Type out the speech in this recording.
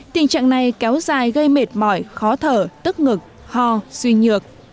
tình trạng này kéo dài gây mệt mỏi khó thở tức ngực ho suy nhược